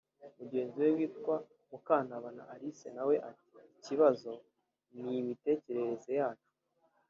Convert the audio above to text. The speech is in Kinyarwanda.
Mugenzi we witwa Mukantabana Alice nawe ati “Ikibazo n’imitekerereze yacu